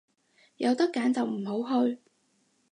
有得揀就唔好去